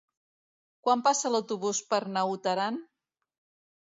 Quan passa l'autobús per Naut Aran?